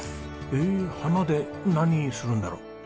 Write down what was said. へえ花で何するんだろう？